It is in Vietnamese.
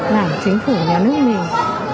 làm chính phủ nhà nước mình